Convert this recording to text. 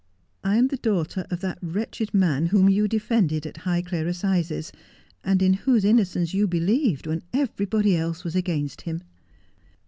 I am the daughter of that wretched man whom you defended at Highclere Assizes, and in whose innocence you believed when everybody else was against him.'